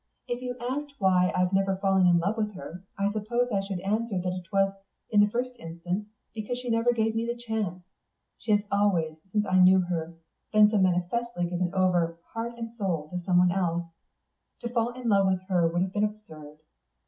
If you asked why I have never fallen in love with her, I suppose I should answer that it was, in the first instance, because she never gave me the chance. She has always, since I knew her, been so manifestly given over, heart and soul, to someone else. To fall in love with her would have been absurd.